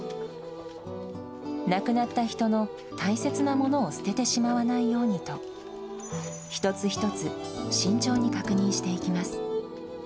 亡くなった人の大切なものを捨ててしまわないようにと、一つ一つ慎重に確認していきます。